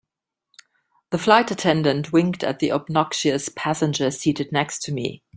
The flight attendant winked at the obnoxious passenger seated next to me.